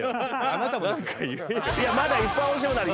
まだいっぱいおいしいものある。